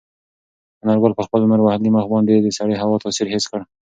انارګل په خپل لمر وهلي مخ باندې د سړې هوا تاثیر حس کړ.